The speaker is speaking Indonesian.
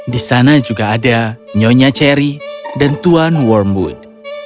di sana juga ada nyonya cherry dan tuan wormwood